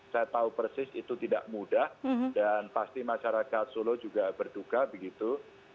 saya tahu persis itu tidak mudah dan pasti masyarakat solo juga berduka begitu